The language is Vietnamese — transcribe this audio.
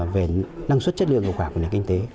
về năng suất chất lượng hiệu quả của nền kinh tế